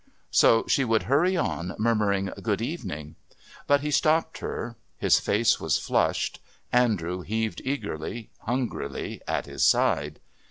So she would hurry on, murmuring "Good evening." But he stopped her. His face was flushed. Andrew heaved eagerly, hungrily, at his side.